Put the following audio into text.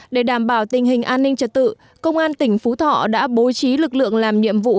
để đảm bảo tình hình an ninh trật tự công an tỉnh phú thọ đã bố trí lực lượng làm nhiệm vụ